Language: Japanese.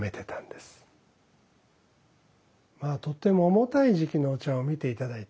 まあとても重たい時期のお茶を見て頂いた。